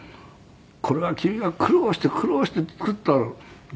「これは君が苦労して苦労して作った芸だろ？」